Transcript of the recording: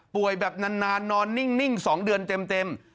แบบนานนอนนิ่ง๒เดือนเต็ม